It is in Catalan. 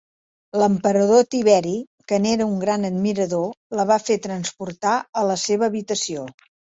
L'emperador Tiberi, que n'era un gran admirador, la va fer transportar a la seva habitació.